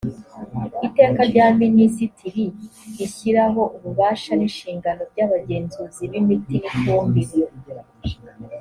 iteka rya minisitiri rishyiraho ububasha n’inshingano by’abagenzuzi b’imiti n’ifumbire